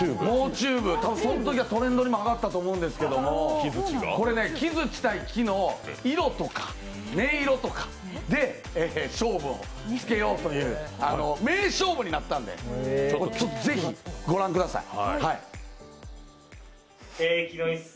そのときはトレンドにも上がったと思うんですけど、「木づちＶＳ木」の色とか、音色とかで勝負をつけようという名勝負になったので、ぜひ御覧ください。